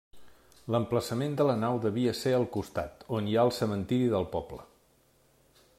L'emplaçament de la nau devia ser al costat, on hi ha el cementiri del poble.